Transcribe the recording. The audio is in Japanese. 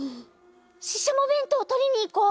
ししゃもべんとうとりにいこう！